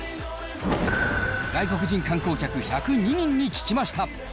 外国人観光客１０２人に聞きました。